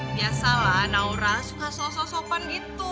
biasalah naura suka sosok sopan gitu